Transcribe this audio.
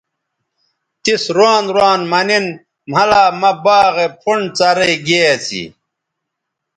تس روان روان مہ نِن مھلا مہ باغے پھنڈ څرئ گے اسی